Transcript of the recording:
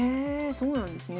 そうなんですね。